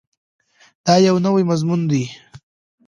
دا یو نوی مضمون دی.